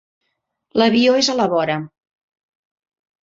L'avió és a la vora.